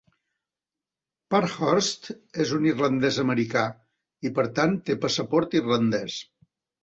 Parkhurst és un irlandès.americà i, per tant, té passaport irlandès.